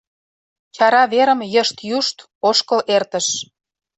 Чара верым йышт-юшт ошкыл эртыш.